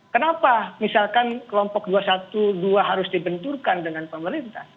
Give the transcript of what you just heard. kenapa misalkan kelompok dua ratus dua belas harus dibenturkan dengan pemerintah